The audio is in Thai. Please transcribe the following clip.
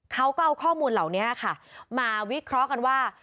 เขาก็เอาข้อมูลเหล่านี้ค่ะมาวิเคราะห์กันว่า